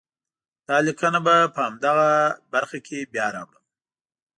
دا لیکنه به په همدغه برخه کې بیا راوړم.